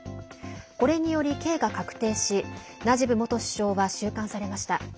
これにより、刑が確定しナジブ元首相は収監されました。